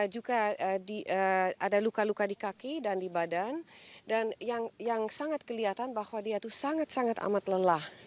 juga ada luka luka di kaki dan di badan dan yang sangat kelihatan bahwa dia itu sangat sangat amat lelah